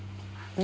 ね。